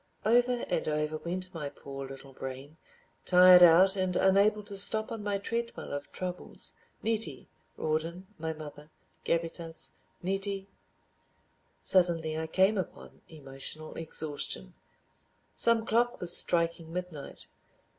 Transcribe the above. Over and over went my poor little brain, tired out and unable to stop on my treadmill of troubles. Nettie. Rawdon. My mother. Gabbitas. Nettie. .. Suddenly I came upon emotional exhaustion. Some clock was striking midnight.